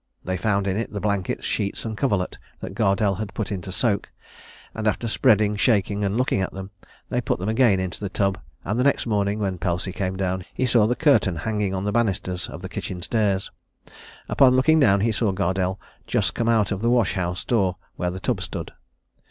They found in it the blankets, sheets, and coverlet, that Gardelle had put in to soak; and after spreading, shaking, and looking at them, they put them again into the tub; and the next morning, when Pelsey came down, he saw the curtain hanging on the banisters of the kitchen stairs. Upon looking down, he saw Gardelle just come out at the wash house door, where the tub stood.